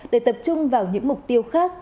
để tập trung vào những mục tiêu